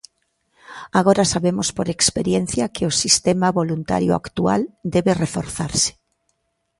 Agora sabemos por experiencia que o sistema voluntario actual debe reforzarse.